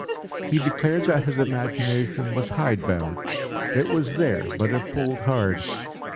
He declared that his imagination was hide bound; it was there, but it pulled hard.